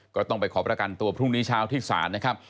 ก็ต้องไปขอประกันตัวพรุ่งนี้เช้าที่ศาลนะครับ